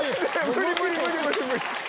無理無理無理無理！